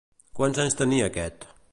Quants anys tenia aquest?